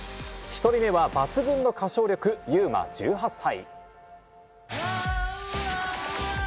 １人目は抜群の歌唱力、ＹＵＭＡ、１８歳。